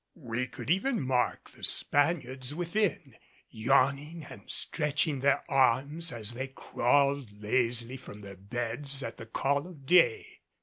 We could even mark the Spaniards within, yawning and stretching their arms as they crawled lazily from their beds at the call of day.